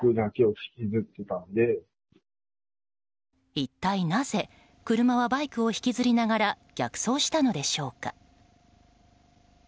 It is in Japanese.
一体なぜ車はバイクを引きずりながら逆走したのでしょうか。